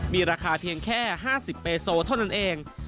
มีราคาเพียงแค่๕๐เบโซเท่านั้นเอง